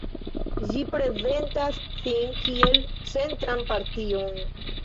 Ĝi prezentas sin kiel centran partion.